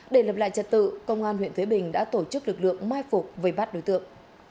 để lập lại trật tự công an huyện thới bình đã tổ chức lực lượng mai phục về bắt đối tượng